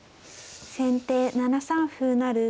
先手７三歩成。